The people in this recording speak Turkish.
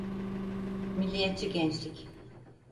Milliyetçi gençlik.